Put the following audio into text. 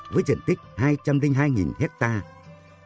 với diện tích hai trăm linh hai hectare